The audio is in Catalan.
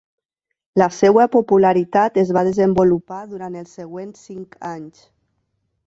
La seua popularitat es va desenvolupar durant els següents cinc anys.